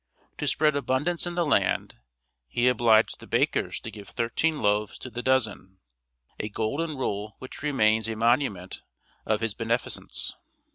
To spread abundance in the land, he obliged the bakers to give thirteen loaves to the dozen a golden rule which remains a monument of his beneficence.